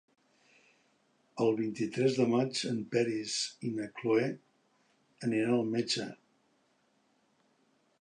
El vint-i-tres de maig en Peris i na Cloè aniran al metge.